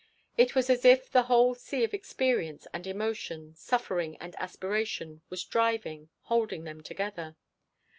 It was as if the whole sea of experience and emotion, suffering and aspiration, was driving, holding, them together.